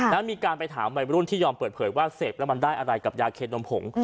แล้วมีการไปถามวัยรุ่นที่ยอมเปิดเผยว่าเสพแล้วมันได้อะไรกับยาเคนมผง